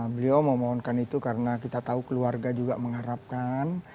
beliau memohonkan itu karena kita tahu keluarga juga mengharapkan